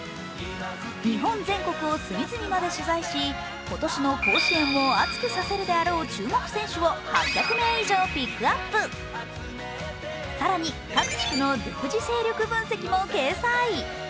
日本全国を隅々まで取材し、今年の甲子園を熱くさせるであろう注目選手を８００名以上ピックアップ更に各地区の独自勢力分析も掲載。